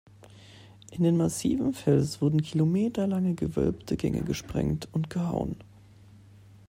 In den massiven Fels wurden kilometerlange gewölbte Gänge gesprengt und gehauen.